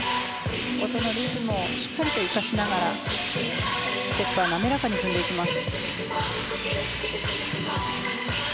音のリズムをしっかりと生かしながらステップを滑らかにしていきます。